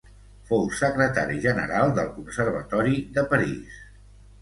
Fou secretari general del Conservatori de París.